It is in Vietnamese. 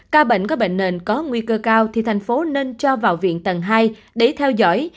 ca bệnh có bệnh nền có nguy cơ cao thì thành phố nên cho vào viện tầng hai để theo dõi